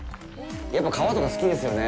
やっぱ川とか好きですよね。